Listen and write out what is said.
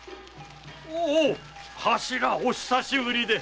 おお頭お久しぶりで！